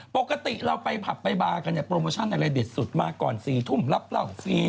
ปกติเราไปปรับไปบาร์ก็จะปรโมชั่นอะไรเด็ดสุดก่อนสี่ทุ่มรับประหลาดฟรี